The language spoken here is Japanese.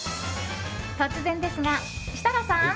突然ですが、設楽さん。